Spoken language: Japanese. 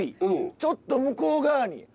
ちょっと向こう側に。